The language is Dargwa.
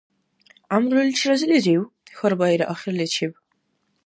— ГӀямруличи разилирив? — хьарбаира ахирличиб.